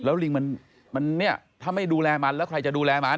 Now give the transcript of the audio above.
ลิงมันเนี่ยถ้าไม่ดูแลมันแล้วใครจะดูแลมัน